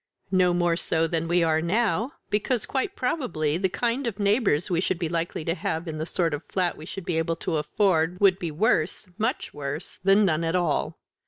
"No more so than we are now, because, quite probably, the kind of neighbours we should be likely to have in the sort of flat we should be able to afford would be worse much worse than none at all.